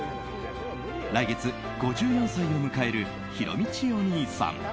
来月、５４歳を迎えるひろみちお兄さん。